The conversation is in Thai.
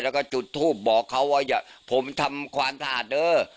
แล้วก็จุดทูปบอกเขาว่าอย่าผมทำความสะอาดเด้อ